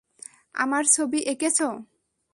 আমার ছবি এঁকেছ?